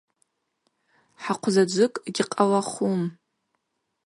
Хӏахъвзаджвыкӏ гькъалахум.